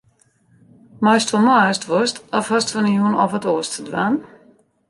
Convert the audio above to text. Meist wol mei ast wolst of hast fan 'e jûn al wat te dwaan?